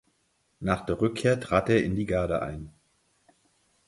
Nach der Rückkehr trat er in die Garde ein.